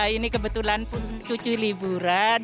ini kebetulan cucu liburan